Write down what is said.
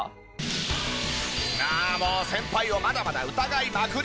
ああもう先輩をまだまだ疑いまくり！